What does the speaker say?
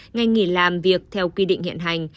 ngay nghỉ làm việc theo quy định hiện hành